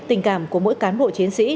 tình cảm của mỗi cán bộ chiến sĩ